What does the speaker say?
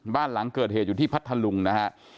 บ้านหลังเกิดเหตุอยู่ที่พัทธลุงนะฮะ